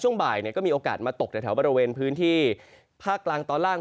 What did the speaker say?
ช่วงบ่ายก็มีโอกาสมาตกในแถวบริเวณพื้นที่ภาคกลางตอนล่าง